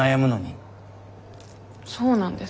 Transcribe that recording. そうなんです。